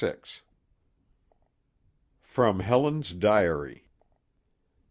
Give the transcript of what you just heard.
[From Helen's Diary.